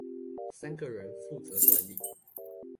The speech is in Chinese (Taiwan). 三個人負責管理